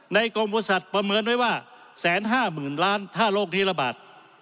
ในกรมบุษัทประเมินไว้ว่าแสนห้าหมื่นล้านถ้าโลกนี้ระบาด